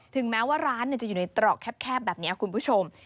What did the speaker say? แม้ว่าร้านจะอยู่ในตรอกแคบแบบนี้คุณผู้ชม